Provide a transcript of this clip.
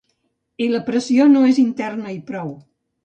I la pressió no és interna i prou.